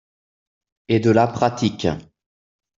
Et de la pratique.